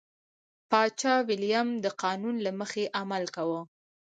پاچا ویلیم د قانون له مخې عمل کاوه.